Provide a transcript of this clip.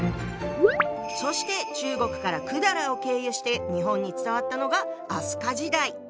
そして中国から百済を経由して日本に伝わったのが飛鳥時代。